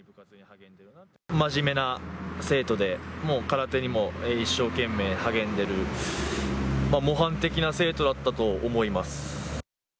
真面目な生徒で、もう空手にも一生懸命励んでる、模範的な生徒だったと思います。